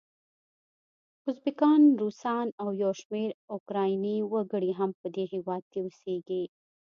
ازبکان، روسان او یو شمېر اوکرایني وګړي هم په دې هیواد کې اوسیږي.